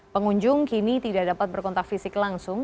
pengunjung kini tidak dapat berkontak fisik langsung